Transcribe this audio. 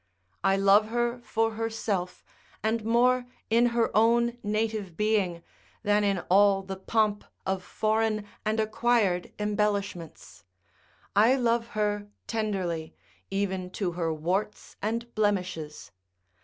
I love her for herself, and more in her own native being, than in all the pomp of foreign and acquired embellishments. I love her tenderly, even to her warts and blemishes.